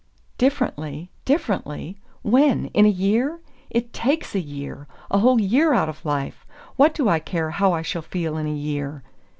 "Differently? Differently? When? In a year? It TAKES a year a whole year out of life! What do I care how I shall feel in a year?"